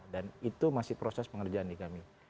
dan itu masih proses pengerjaan di kami